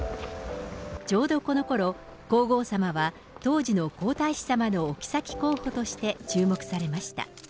ちょうどこのころ、皇后さまは、当時の皇太子さまのお妃候補として注目されました。